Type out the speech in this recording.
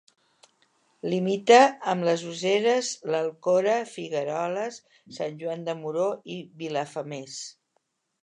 Limita amb les Useres, l'Alcora, Figueroles, Sant Joan de Moró i Vilafamés.